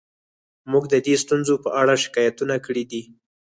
موږ د دې ستونزو په اړه شکایتونه کړي دي